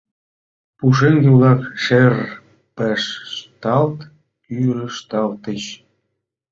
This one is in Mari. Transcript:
Пушеҥге-влак шырпешталт кӱрышталтыч.